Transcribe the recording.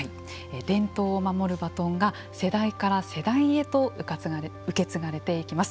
伝統を守るバトンが世代から世代へと受け継がれていきます。